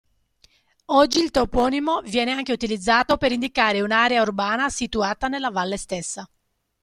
Oggi il toponimo viene anche utilizzato per indicare un'area urbana situata nella valle stessa.